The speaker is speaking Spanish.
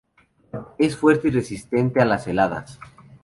Es fuerte y resistente a las heladas.